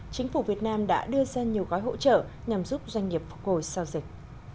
chính phủ việt nam đã đưa ra nhiều gói hỗ trợ nhằm giúp doanh nghiệp phục hồi sau dịch